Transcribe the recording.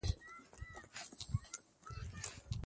د غوږ د غږونو لپاره د ګلاب او سرکې ګډول وکاروئ